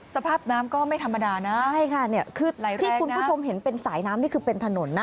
สภาพน้ำก็ไม่ธรรมดานะใช่ค่ะเนี่ยคือที่คุณผู้ชมเห็นเป็นสายน้ำนี่คือเป็นถนนนะ